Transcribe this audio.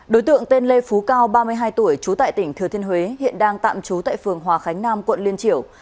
đối tượng tên lê phú cao ba mươi hai tuổi trú tại tỉnh thừa thiên huế hiện đang tạm trú tại phường hòa khánh nam quận liên triểu